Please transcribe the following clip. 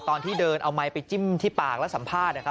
ตอนที่เดินเอาไมค์ไปจิ้มที่ปากแล้วสัมภาษณ์นะครับ